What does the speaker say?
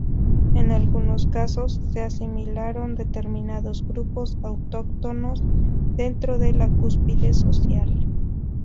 En algunos casos, se asimilaron determinados grupos autóctonos dentro de la cúspide social.